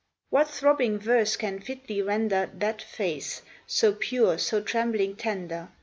What throbbing verse can fitly render That face, so pure, so trembling tender?